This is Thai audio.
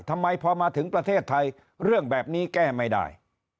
ทำไมพอมาถึงประเทศไทยเรื่องแบบนี้แก้ไม่ได้